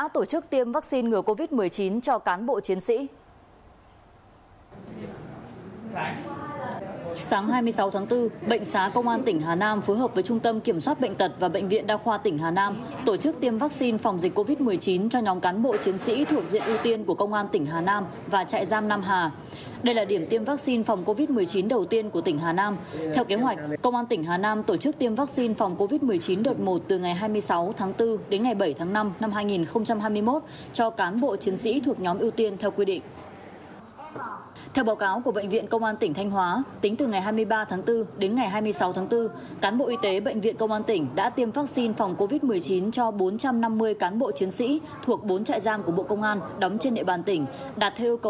tại bệnh viện quân dân y bạc liêu gần ba trăm linh cán bộ chiến sĩ thuộc diện ưu tiên của công an tỉnh được tiến hành tiêm vaccine ngừa covid một mươi chín